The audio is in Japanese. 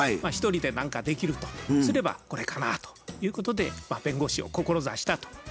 一人で何かできるとすればこれかなということで弁護士を志したと。